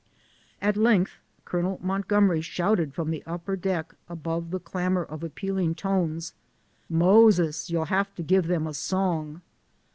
At length Col. Montgomery shouted from the upper deck, above the clamor of appealing tones, "Moses, you'll have to give 'em a song."